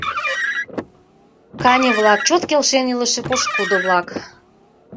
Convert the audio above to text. Кане-влак — чот келшен илыше пошкудо-влак.